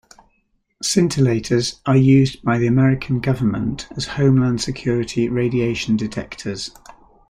Scintillators are used by the American government as Homeland Security radiation detectors.